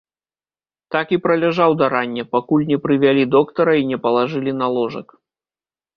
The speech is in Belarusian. Так і праляжаў да рання, пакуль не прывялі доктара і не палажылі на ложак.